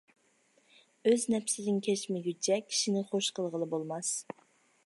ئۆز نەپسىدىن كەچمىگۈچە، كىشىنى خۇش قىلغىلى بولماس.